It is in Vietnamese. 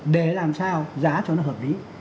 để làm sao giá cho nó hợp lý